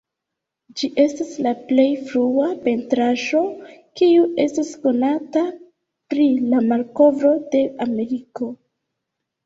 Ĝi estas la plej frua pentraĵo kiu estas konata pri la malkovro de Ameriko.